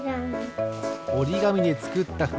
おりがみでつくったふうせんか。